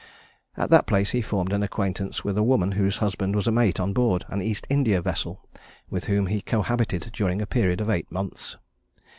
At that place he formed an acquaintance with a woman whose husband was a mate on board an East India vessel, with whom he cohabited during a period of eight months.